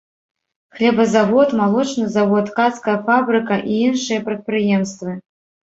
Хлебазавод, малочны завод, ткацкая фабрыка і іншыя прадпрыемствы.